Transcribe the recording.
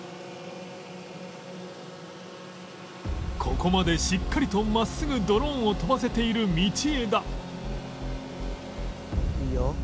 ここまでしっかりと真っすぐドローンを飛ばせている道枝